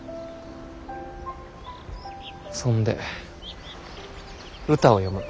そんで歌を詠む。